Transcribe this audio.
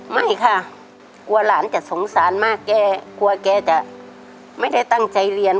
ไม่ค่ะกลัวหลานจะสงสารมากแกกลัวแกจะไม่ได้ตั้งใจเรียน